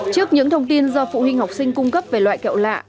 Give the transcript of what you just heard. trước những thông tin do phụ huynh học sinh cung cấp về loại kẹo lạ